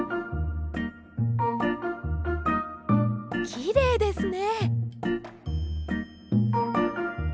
きれいですね。